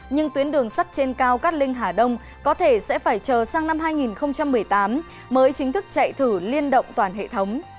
nhưng tuyến đường sắt trên cao cát linh hà đông có thể sẽ phải chờ sang năm hai nghìn một mươi tám mới chính thức chạy thử liên động toàn hệ thống